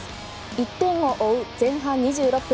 １点を追う前半２６分。